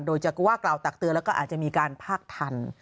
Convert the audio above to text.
โดยจะว่ากล่าวตักเตือนแล้วก็อาจจะมีการพากทัน